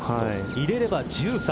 入れれば１３。